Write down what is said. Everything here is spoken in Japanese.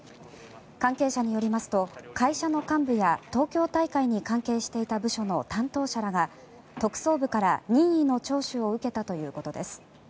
関係者によりますと会社の幹部や東京大会に関係していた部署の担当者らが特捜部から任意の聴取を受けたということです。